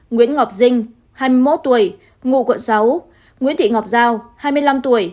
nguyễn ngọc dinh hai mươi một tuổi ngụ quận sáu nguyễn thị ngọc giao hai mươi năm tuổi